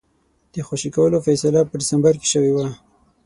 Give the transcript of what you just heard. د خوشي کولو فیصله په ډسمبر کې شوې وه.